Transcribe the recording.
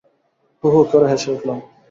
হো হো করে হেসে উঠলাম।